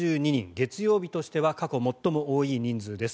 月曜日としては過去最も多い人数です。